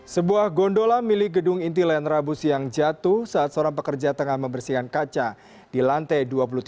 sebuah gondola milik gedung inti lain rabu siang jatuh saat seorang pekerja tengah membersihkan kaca di lantai dua puluh tiga